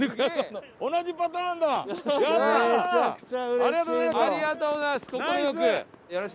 ありがとうございます快く。